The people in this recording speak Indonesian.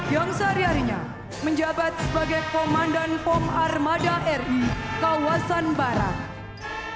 yang sehari harinya menjabat sebagai komandan resimen arhanud i